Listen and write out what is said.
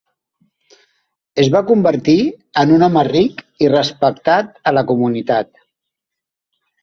Es va convertir en un home ric i respectat a la comunitat.